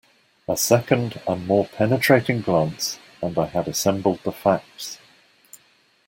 A second and more penetrating glance and I had assembled the facts.